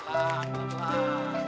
sampai jumpa lagi